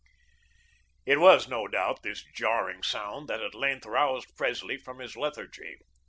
It was, no doubt, this jarring sound that at length roused Presley from his lethargy.